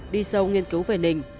đi sâu nghiên cứu về nình